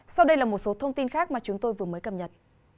sau đây là một số thông tin khác mà chúng tôi vừa mới cập nhật